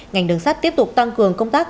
ngành đường sắt tiếp tục tăng cường công tác